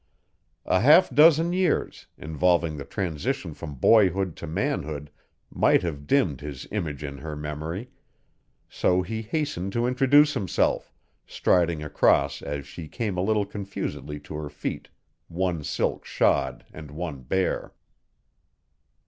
A half dozen years, involving the transition from boyhood to manhood might have dimmed his image in her memory, so he hastened to introduce himself, striding across as she came a little confusedly to her feet one silk shod and one bare.